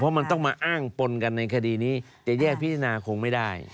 เพราะมันต้องมาอ้างปนกันในคดีนี้จะแยกพิจารณาคงไม่ได้